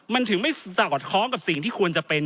มันถึงไม่สอดคล้องกับสิ่งที่ควรจะเป็น